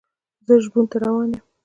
زه ژوبڼ ته روان یم.